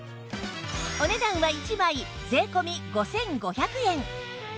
お値段は１枚税込５５００円